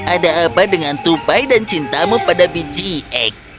ada apa dengan tupai dan cintamu pada biji x